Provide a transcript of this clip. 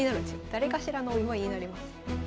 誰かしらのお祝いになります。